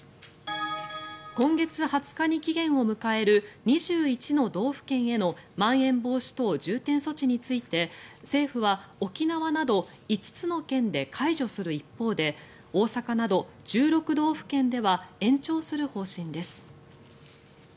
今月２０日に期限を迎える２１の道府県へのまん延防止等重点措置について政府は沖縄など５つの県で解除する一方で大阪など１６道府県では延長する方針です。